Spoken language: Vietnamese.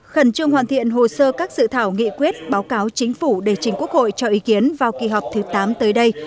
khẩn trương hoàn thiện hồ sơ các sự thảo nghị quyết báo cáo chính phủ để chính quốc hội cho ý kiến vào kỳ họp thứ tám tới đây